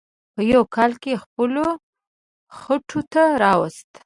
په یوه کال کې یې خپلو خوټو ته راوست.